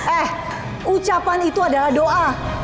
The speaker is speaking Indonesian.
eh ucapan itu adalah doa